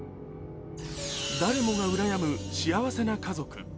誰もがうらやむ幸せな家族。